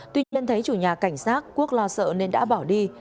tuy nhiên thấy chủ nhà cảnh sát quốc lo sợ nên đã bỏ đi